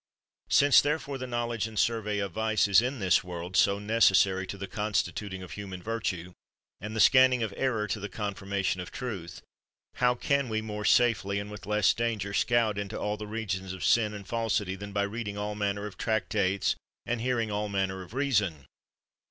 Since, therefore, the knowledge and survey of vice is in this world so necessary to the constituting of human virtue, and the scanning of error to the confirmation of truth, how can we more safely, and with less danger, scout into the regions of sin and falsity than by reading all manner of tractates and hear ing all manner of reason